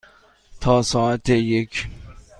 تا ساعت یک.